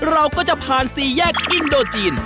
เราก็จะผ่านสี่แยกอินโดจีน